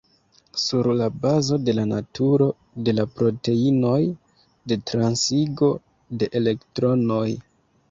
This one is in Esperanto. Sur la bazo de la naturo de la proteinoj de transigo de elektronoj.